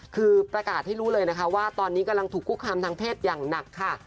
คือประกาศให้รู้เลยนะคะว่าตอนนี้กำลังถูกคุกคามทางเพศอย่างหนักค่ะ